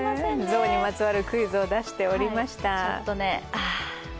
象にまつわるクイズを出しておりました。